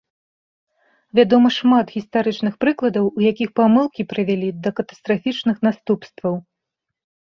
Вядома шмат гістарычных прыкладаў, у якіх памылкі прывялі да катастрафічных наступстваў.